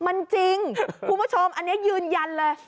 มันจริงคุณผู้ชมอันนี้ยืนยันเลย